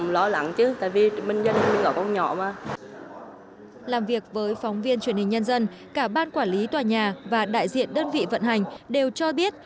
làm việc với phóng viên truyền hình nhân dân cả ban quản lý tòa nhà và đại diện đơn vị vận hành đều cho biết